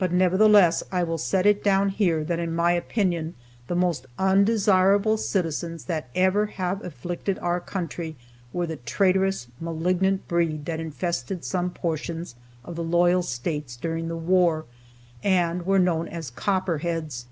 But nevertheless I will set it down here that in my opinion the most "undesirable citizens" that ever have afflicted our country were the traitorous, malignant breed that infested some portions of the loyal States during the war, and were known as "Copperheads."